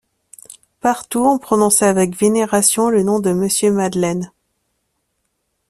Partout on prononçait avec vénération le nom de Monsieur Madeleine.